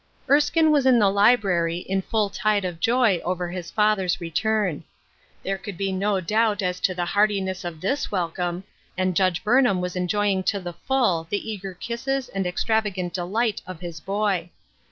Erskine was in the library, in full tide of joy over his father's return. There could be no doubt as to the heartiness of this welcome, and Judge Burnham was enjoying to the full the eager kisses and extravagant delight of his boy.